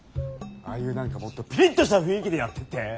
ああいう何かもっとピリッとした雰囲気でやってって！